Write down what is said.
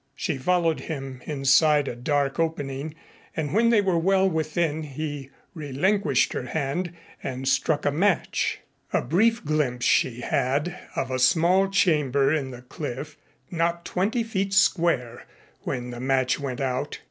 She followed him inside a dark opening and when they were well within he relinquished her hand and struck a match. A brief glimpse she had of a small chamber in the cliff not twenty feet square when the match went out.